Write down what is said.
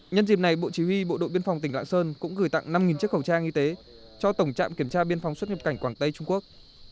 nhân dịp này bộ chỉ huy bộ đội biên phòng tỉnh lạng sơn cũng gửi tặng năm chiếc khẩu trang y tế cho tổng trạm kiểm tra biên phòng xuất nhập cảnh quảng tây trung quốc